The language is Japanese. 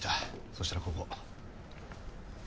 そしたらここ。